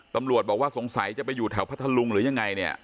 ตำรวจบอกว่าสงสัยจะไปอยู่แถวพัทธลุงหรือยังไงเนี่ย